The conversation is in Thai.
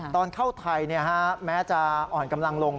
ตอนเข้าไทยแม้จะอ่อนกำลังลง